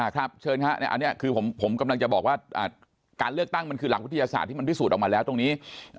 ครับเชิญครับอันนี้คือผมกำลังจะบอกว่าการเลือกตั้งมันคือหลักวิทยาศาสตร์ที่มันพิสูจน์ออกมาแล้วตรงนี้